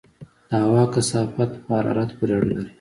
د هوا کثافت په حرارت پورې اړه لري.